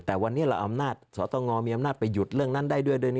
แต่วันนี้เราอำนาจสตงมีอำนาจไปหยุดเรื่องนั้นได้ด้วย